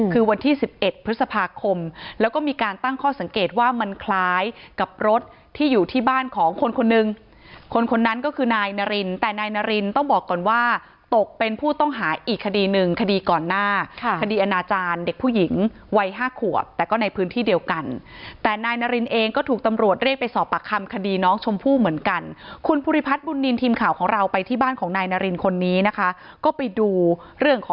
ก็มีการตั้งข้อสังเกตว่ามันคล้ายกับรถที่อยู่ที่บ้านของคนคนนึงคนคนนั้นก็คือนายนรินแต่นายนรินต้องบอกก่อนว่าตกเป็นผู้ต้องหาอีกคดีนึงคดีก่อนหน้าคดีอาณาจารย์เด็กผู้หญิงวัย๕ขวบแต่ก็ในพื้นที่เดียวกันแต่นายนรินเองก็ถูกตำรวจเรียกไปสอบปากคำคดีน้องชมพู่เหมือนกันคุณพุริพัฒน์